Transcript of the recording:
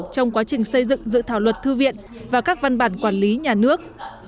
trong quá trình xây dựng dự thảo luật thư viện và các văn bản quản lý nhà nước